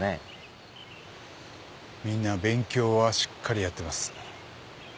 みんな勉強はしっかりやってます。